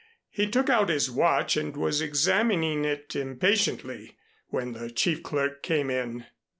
He took out his watch and was examining it impatiently when the chief clerk came in.